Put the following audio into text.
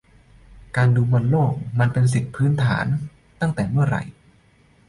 การดูบอลโลกมันเป็นสิทธิขั้นพื้นฐานตั้งแต่เมื่อไหร่